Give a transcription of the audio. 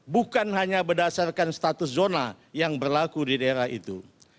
bukan hanya berdasarkan status zona yang berlaku di daerah itu